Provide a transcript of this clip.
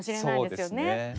そうですね。